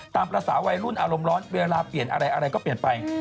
ตามภาษาวัยรุ่นอารมณ์ร้อนเวลาเปลี่ยนอะไรอะไรก็เปลี่ยนไป